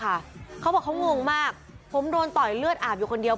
เขาบอกเขางงมากผมโดนต่อยเลือดอาบอยู่คนเดียว